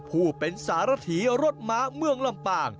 ผู้เป็นสารถีรถม้าเมืองลำปาง